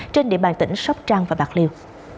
trên địa bàn tỉnh sóc trăng và bạc liêu